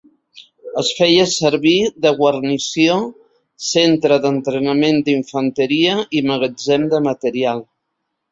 Es feia servir de guarnició, centre d'entrenament d'infanteria i magatzem de material.